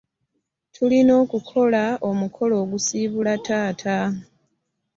Tulina okukola omukolo ogusiibula taata.